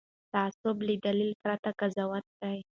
تعصب له دلیل پرته قضاوت دی